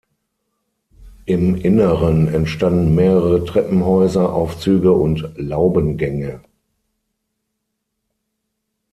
Im Inneren entstanden mehrere Treppenhäuser, Aufzüge und Laubengänge.